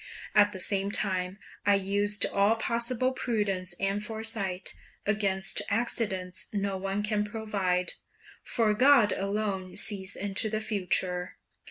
At the same time I used all possible prudence and foresight; against accidents no one can provide, for God alone sees into the future.